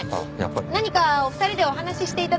何かお二人でお話しして頂けます？